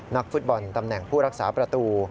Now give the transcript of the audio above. นักฟุตบอลตำแหน่งผู้รักษาประตู